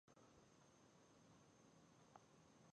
د افغانستان جغرافیه کې اوبزین معدنونه ستر اهمیت لري.